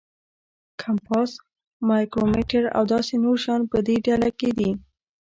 کمپاس، مایکرومیټر او داسې نور شیان په دې ډله کې دي.